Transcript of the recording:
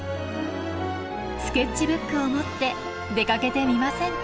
スケッチブックを持って出かけてみませんか？